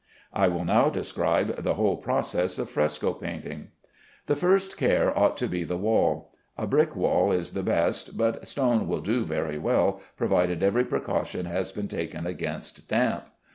I will now describe the whole process of fresco painting. The first care ought to be the wall. A brick wall is the best, but stone will do very well, provided every precaution has been taken against damp.